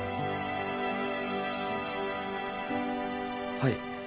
はい。